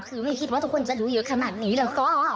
คือไม่คิดว่าทุกคนจะรู้เยอะขนาดนี้แล้วก็